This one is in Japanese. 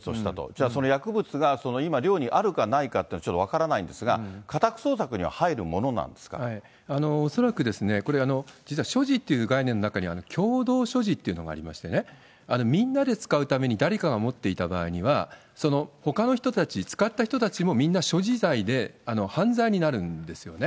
じゃあ、その薬物が今、寮にあるかないかというのはちょっと分からないんですが、家宅捜恐らくこれ、実は所持という概念の中には、共同所持っていうのがありましてね、みんなで使うために誰かが持っていた場合には、ほかの人たち、使った人たちも、みんな所持罪で犯罪になるんですよね。